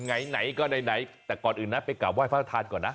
อ่ะไหนก็ไหนแต่ก่อนอื่นนะไปกลับไหว้ฟ้าธานก่อนนะ